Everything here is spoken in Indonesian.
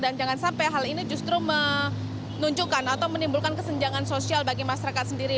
dan jangan sampai hal ini justru menunjukkan atau menimbulkan kesenjangan sosial bagi masyarakat sendiri